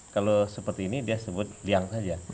kalau seperti ini dia sebut liang saja